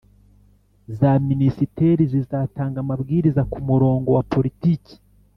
za minisiteri zizatanga amabwiriza ku murongo wa politiki